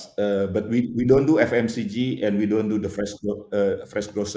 tapi kami tidak melakukan fmcg dan kami tidak melakukan perusahaan segar